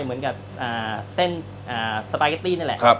เหมือนกับเส้นสปาเกตตี้นั่นแหละ